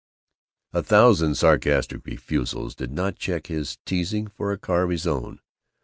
A thousand sarcastic refusals did not check his teasing for a car of his own.